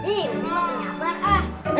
ih unu nyabar ah